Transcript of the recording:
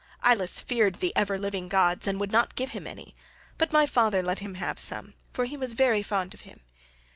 Ilus feared the ever living gods and would not give him any, but my father let him have some, for he was very fond of him.